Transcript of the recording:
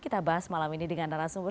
kita bahas malam ini dengan narasumber